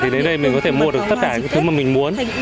đến đây mình có thể mua được tất cả những thứ mà mình muốn